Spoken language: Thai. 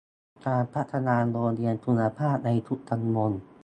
การพัฒนาโรงเรียนคุณภาพในทุกตำบล